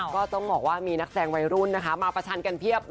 ก็ต้องบอกว่ามีนักแสดงวัยรุ่นนะคะมาประชันกันเพียบ